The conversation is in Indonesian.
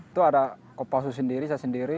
itu ada kopassu sendiri saya sendiri